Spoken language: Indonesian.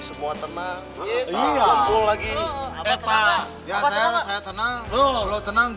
semua tenang iya lagi apa apa ya saya tenang lu tenang gue tenang